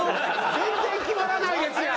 全然決まらないですやん！